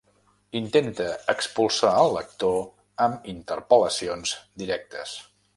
Intenta expulsar el lector amb interpel·lacions directes.